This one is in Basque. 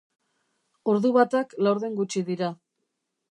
Ordu batak laurden gutxi dira.